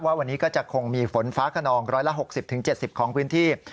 วันนี้ก็จะคงมีฝนฟ้าขนอง๑๖๐๗๐ของพื้นที่